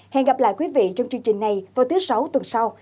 hẹn gặp lại quý vị trong chương trình này vào thứ sáu tuần sau